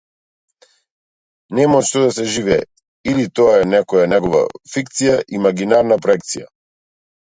Нема од што да се живее, или тоа е некоја негова фикција, имагинарна проекција.